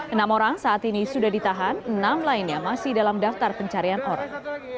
enam orang saat ini sudah ditahan enam lainnya masih dalam daftar pencarian orang